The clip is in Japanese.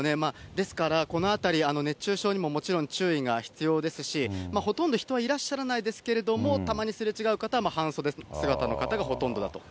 ですからこのあたり、熱中症にももちろん注意が必要ですし、ほとんど人はいらっしゃらないですけれども、たまにすれ違う方は半袖姿の方がほとんどだと。